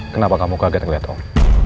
kenapa kamu kaget ngeliat om